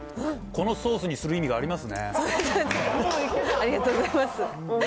このソースにする意味があります